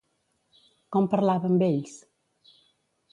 Com parlava amb ells?